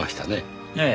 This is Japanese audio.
ええ。